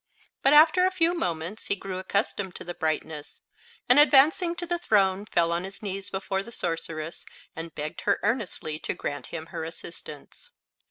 But after a few moments he grew accustomed to the brightness and advancing to the throne fell on his knees before the sorceress and begged her earnestly to grant him her assistance.